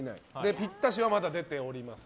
ぴったしはまだ出ていません。